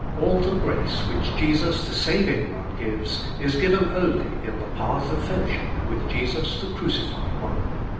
All the grace which Jesus the Saving One gives is given only in the pafch of fellowship with Jesus the Crucified One.